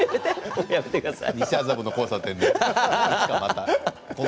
西麻布の交差点で。